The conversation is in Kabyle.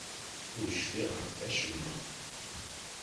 Ur cfiɣ ɣef wacemma.